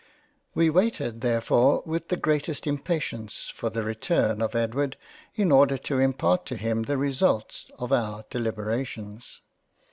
We waited therefore with the greatest impatience, for the return of Edward in order to impart to him the result of our Deliberations.